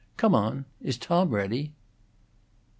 "Come on! Is Tom ready?" IX.